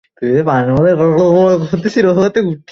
ঠিক আছে, আমি বিশ মিনিটের মধ্যে আসছি।